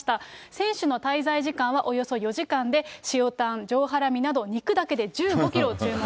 選手の滞在時間はおよそ４時間で、塩タン、上ハラミなど、肉だけで１５キロを注文。